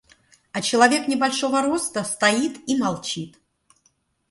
А человек небольшого роста стоит и молчит.